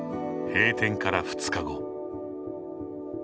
閉店から２日後。